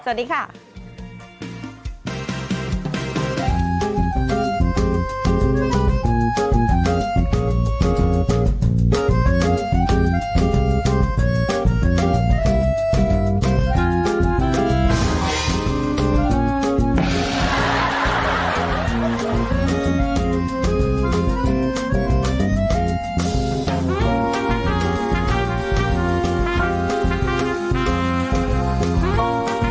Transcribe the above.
สวัสดีค่ะ